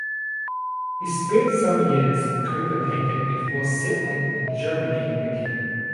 He spent some years in Copenhagen before settling in Germany again.